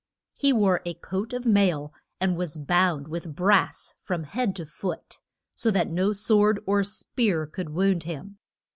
He wore a coat of mail, and was bound with brass from head to foot, so that no sword or spear could wound him.